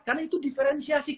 karena itu diferensiasi